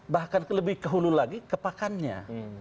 bahkan lebih ke hulu lagi ke pakannya